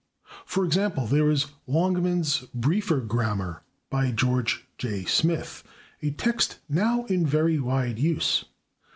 For example, there is "Longmans' Briefer Grammar," by George J. Smith, a text now in very wide use.